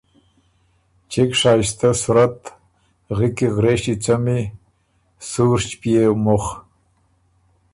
چِګ شائسته صورت، غِکی غرېݭی څمی، سُوڒ ݭپيېو مُخ،